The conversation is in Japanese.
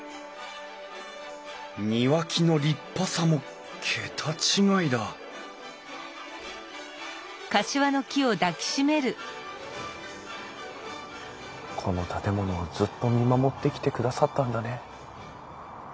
庭木の立派さも桁違いだこの建物をずっと見守ってきてくださったんだね。